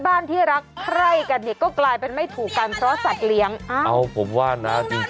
พี่ป้ายังเลี้ยงแมวเลย